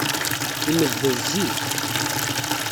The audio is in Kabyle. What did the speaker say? Imeddel zik.